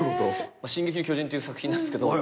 『進撃の巨人』っていう作品なんすけど。